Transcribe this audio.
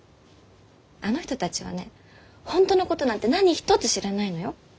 あの人たちはね本当のことなんて何一つ知らないのよ。